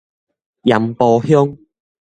鹽埔鄉